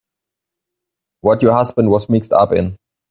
What your husband was mixed up in.